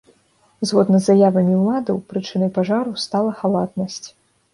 Згодна з заявамі ўладаў, прычынай пажару стала халатнасць.